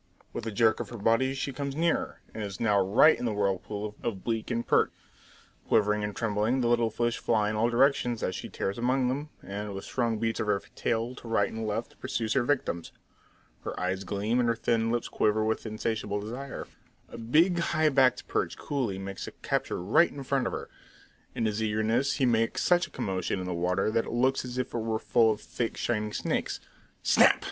With a jerk of her body she comes nearer, and is now right in the whirlpool of bleak and perch. Quivering and trembling, the little fish fly in all directions as she tears among them, and with strong beats of her tail to right and left pursues her victims. Her eyes gleam, and her thin lips quiver with insatiable desire. A big, high backed perch coolie makes a capture right in front of her. In his eagerness he makes such a commotion in the water that it looks as if it were full of thick, shining snakes. Snap!